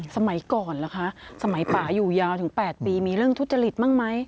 สมัยก่อนเหรอคะสมัยป่าอยู่ยาวถึง๘ปีมีเรื่องทุจริตบ้างไหม